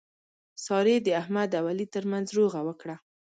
سارې د احمد او علي ترمنځ روغه وکړه.